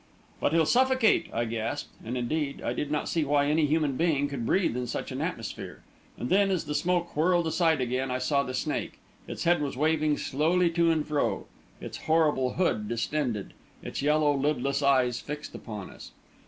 "But he'll suffocate!" I gasped, and, indeed, I did not see how any human being could breathe in such an atmosphere. And then, as the smoke whirled aside again, I saw the snake. Its head was waving slowly to and fro, its horrible hood distended, its yellow, lidless eyes fixed upon us.